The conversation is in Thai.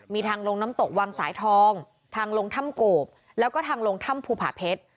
มีทางลงน้ำตกวังสายทองทางลงถ้ำโกบแล้วก็ทางลงถ้ำภูผาเพชร